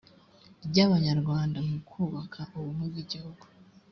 ry abanyarwanda mu kubaka ubumwe bw igihugu